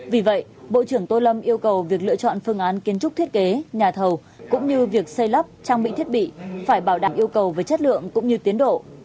vì vậy bộ trưởng tô lâm yêu cầu việc lựa chọn phương án kiến trúc thiết kế nhà thầu cũng như việc xây lắp trang bị thiết bị phải bảo đảm yêu cầu về chất lượng cũng như tiến độ